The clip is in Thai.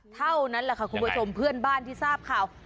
เท่านั้นแหละค่ะคุณผู้ชมเพื่อนบ้านที่ทราบข่าว